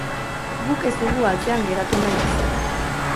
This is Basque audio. Guk ez dugu atzean geratu nahi izan.